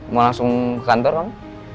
mau langsung ke kantor kang